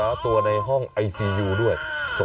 เบื้องต้น๑๕๐๐๐และยังต้องมีค่าสับประโลยีอีกนะครับ